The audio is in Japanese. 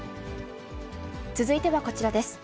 続いてはこちらです。